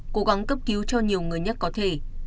cố gắng cấp cứu cho nhiều người nhất có thể